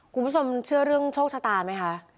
คุณผู้ชมเชื่อเรื่องโชคชะตาไหมคะ